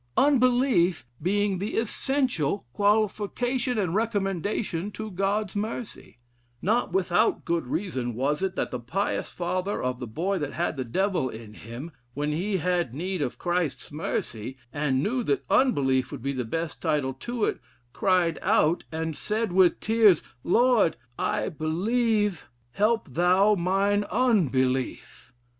Unbelief being the essential qualification and recommendation to God's mercy: not without good reason was it that the pious father of the boy that had the devil in him, when he had need of Christ's mercy, and knew that unbelief would be the best title to it, cried out and said with tears, 'Lord, I believe, help thou mine unbelief!'